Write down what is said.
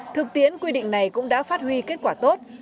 thực tiến quy định này cũng đã phát huy kết quả tốt